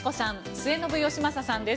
末延吉正さんです。